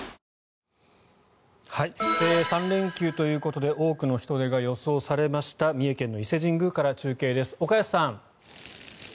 ３連休ということで多くの人出が予想されました三重県の伊勢神宮から中継です、岡安さん。